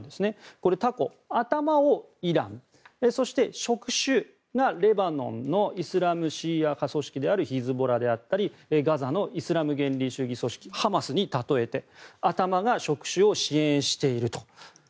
これ、タコ、頭をイランそして、触手がレバノンのイスラムシーア派組織であるヒズボラであったりガザのイスラム原理主義組織ハマスに例えて頭が触手を支援していると。